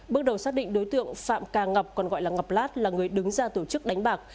bước đầu xác định đối tượng phạm cà ngọc còn gọi là ngọc lát là người đứng ra tổ chức đánh bạc